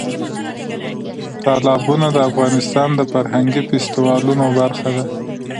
تالابونه د افغانستان د فرهنګي فستیوالونو برخه ده.